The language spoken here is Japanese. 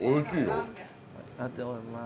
ありがとうございます。